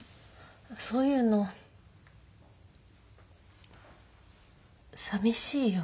そういうのさみしいよ。